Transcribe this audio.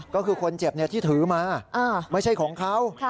ก็คือคนเจ็บที่ถือมาไม่ใช่ของเขา